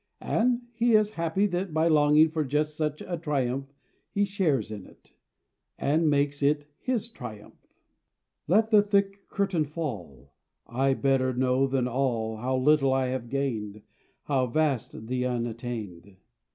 And he is happy that by longing for just such a triumph he shares in it he makes it his triumph. Let the thick curtain fall; I better know than all How little I have gained, How vast the unattained.